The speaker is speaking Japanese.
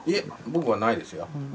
僕はないですよ。